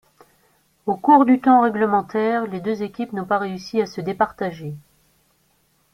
Au cours du temps règlementaire, les deux équipes n'ont pas réussi à se départager.